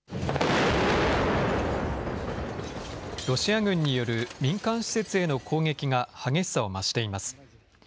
ロシア軍による民間施設への攻撃が激しさを増しています。